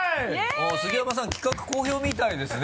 杉山さん企画好評みたいですね